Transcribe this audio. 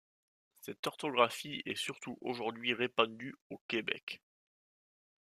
Cette orthographie est surtout aujourd'hui répandue au Québec.